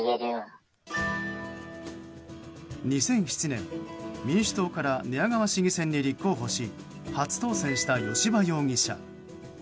２００７年、民主党から寝屋川市議選に立候補し初当選した吉羽容疑者。